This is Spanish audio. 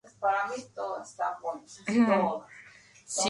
La fortaleza permanecería en manos escocesas durante otros quince años.